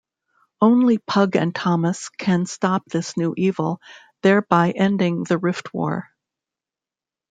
Only Pug and Tomas can stop this new evil, thereby ending the Riftwar.